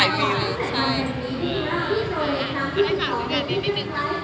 ไม่ค่อยได้ถ่ายให้ใครใช่ไหมค่ะ